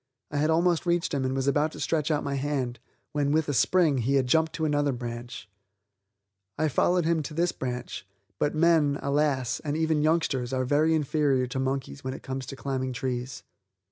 I had almost reached him and was about to stretch out my hand, when, with a spring, he had jumped to another branch. I followed him to this branch, but men, alas, and even youngsters are very inferior to monkeys when it comes to climbing trees.